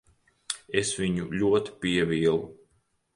Es viņu ļoti pievīlu.